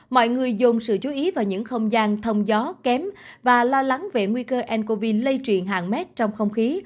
mọi người dồn sự chú ý vào những không gian thông gió kém và lo lắng về nguy cơ ncov lây truyền hàng mét trong không khí